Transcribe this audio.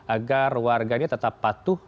agar warganya tetap patuh